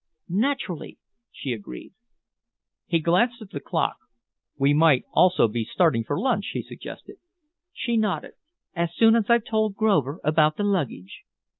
"Naturally," she agreed. He glanced at the clock. "We might almost be starting for lunch," he suggested. She nodded. "As soon as I've told Grover about the luggage."